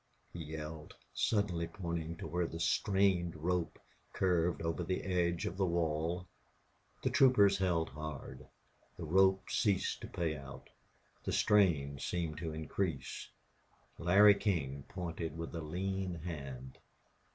he yelled, suddenly pointing to where the strained rope curved over the edge of the wall. The troopers held hard. The rope ceased to pay out. The strain seemed to increase. Larry King pointed with a lean hand.